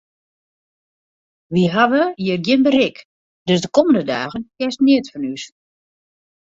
Wy hawwe hjir gjin berik, dus de kommende dagen hearst neat fan ús.